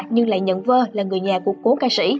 nhưng lại nhận vơ là người nhà của cố ca sĩ